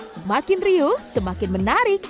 semakin riuh semakin menarik